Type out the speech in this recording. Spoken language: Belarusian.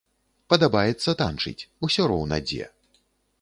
Падабаецца танчыць, усё роўна дзе.